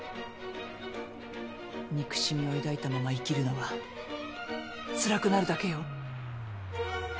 憎しみを抱いたまま生きるのはつらくなるだけよ。